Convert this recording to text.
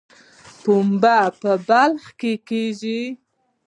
پنبه په بلخ کې کیږي